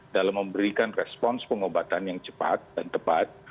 dalam memberikan respons pengobatan yang cepat dan tepat